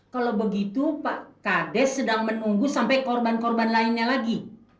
kalau begitu pak kades sedang menunggu sampai korban korban lainnya lagi